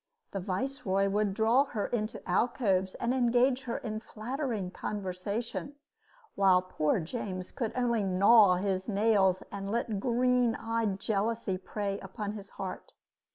The viceroy would draw her into alcoves and engage her in flattering conversation, while poor James could only gnaw his nails and let green eyed jealousy prey upon his heart.